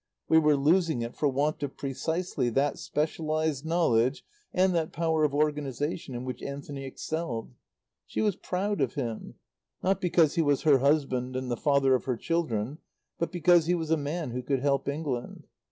We were losing it for want of precisely that specialized knowledge and that power of organization in which Anthony excelled. She was proud of him, not because he was her husband and the father of her children, but because he was a man who could help England.